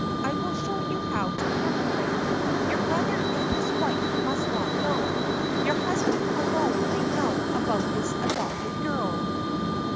I will show you how to care for it. Your brother and his wife must not know. Your husband alone may know about this adopted girl."